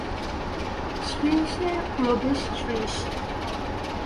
শ্রীশের প্রবেশ শ্রীশ।